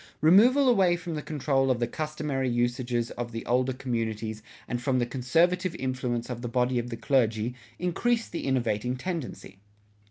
Removal away from the control of the customary usages of the older communities and from the conservative influence of the body of the clergy, increased the innovating tendency.